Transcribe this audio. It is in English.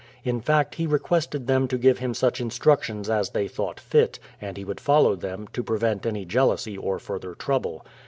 In fact he requested them to give him such instructions as they thought fit, and he would follow them, to prevent any jealousy or further trouble.